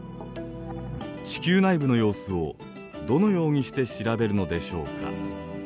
地球内部の様子をどのようにして調べるのでしょうか？